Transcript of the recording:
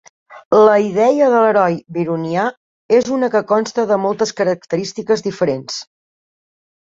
La idea de l'heroi byronià és una que consta de moltes característiques diferents.